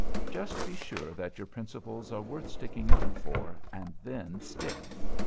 Just be sure that your principles are worth sticking up for, and then stick.